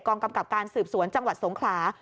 กำกับการสืบสวนจังหวัดสงขลา